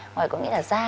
ngoài có nghĩa là da